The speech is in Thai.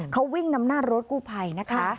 เขาวิ่งนำหน้ารถกู้ภัยนะคะ